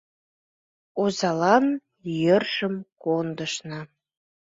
Озалан йӧршым кондышна.